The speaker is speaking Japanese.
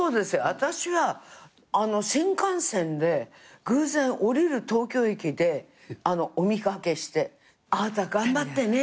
私は新幹線で偶然降りる東京駅でお見掛けして「あなた頑張ってね」